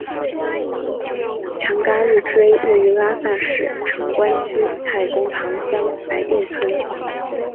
强嘎日追位于拉萨市城关区蔡公堂乡白定村。